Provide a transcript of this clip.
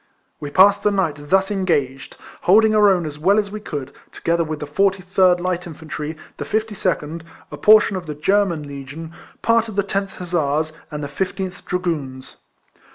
We passed the night thus engaged, hold ing our own as well as we could, together with the 43rd Light Infantry, the 52nd, a portion of the German Legion, part of the 10th Hussars, and the 15th Dragoons.